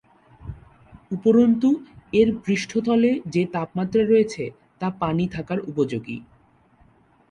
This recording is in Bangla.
উপরন্তু এর পৃষ্ঠতলে যে তাপমাত্রা রয়েছে তা পানি থাকার উপযোগী।